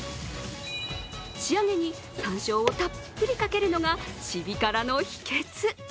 仕上げに、さんしょうをたっぷりかけるのがシビ辛の秘訣。